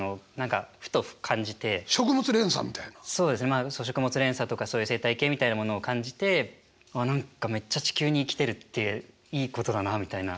まあ食物連鎖とかそういう生態系みたいなものを感じてあっ何かめっちゃ地球に生きてるっていいことだなみたいな。